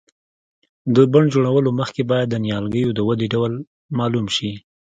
د بڼ جوړولو مخکې باید د نیالګیو د ودې ډول معلوم شي.